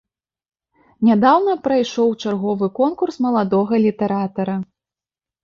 Нядаўна прайшоў чарговы конкурс маладога літаратара.